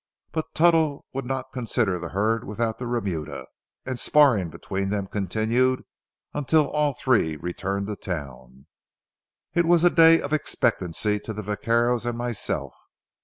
But Tuttle would not consider the herd without the remuda, and sparring between them continued until all three returned to town. It was a day of expectancy to the vaqueros and myself.